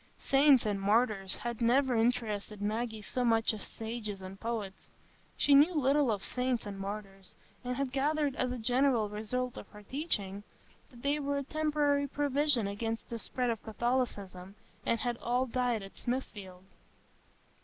Saints and martyrs had never interested Maggie so much as sages and poets. She knew little of saints and martyrs, and had gathered, as a general result of her teaching, that they were a temporary provision against the spread of Catholicism, and had all died at Smithfield.